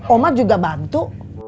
oh mak juga bantu